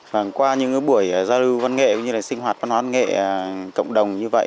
và qua những cái buổi giao lưu văn nghệ cũng như là sinh hoạt văn hóa văn nghệ cộng đồng như vậy